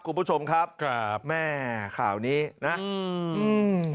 คุณผู้ชมครับแม่ข่าวนี้นะอืมอืม